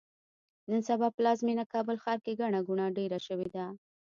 نن سبا پلازمېینه کابل ښار کې ګڼه ګوڼه ډېره شوې ده.